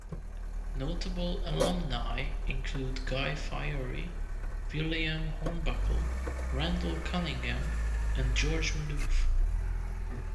Notable alumni include Guy Fieri, William Hornbuckle, Randall Cunningham, and George Maloof.